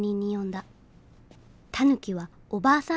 タヌキはおばあさん